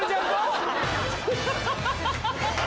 ハハハハ。